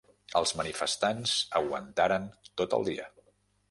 Els manifestants aguantaren tot el dia.